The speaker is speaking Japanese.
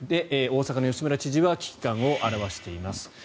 大阪の吉村知事は危機感を表しています。